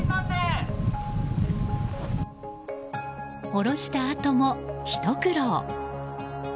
下ろしたあとも、ひと苦労。